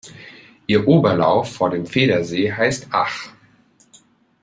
Ihr Oberlauf vor dem Federsee heißt Ach.